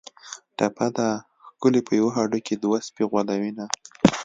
ټپه ده: ښکلي په یوه هډوکي دوه سپي غولوینه